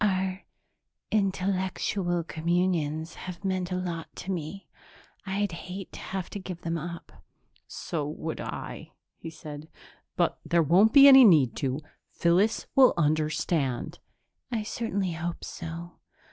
Our intellectual communions have meant a lot to me. I'd hate to have to give them up." "So would I," he said. "But there won't be any need to. Phyllis will understand." "I certainly hope so.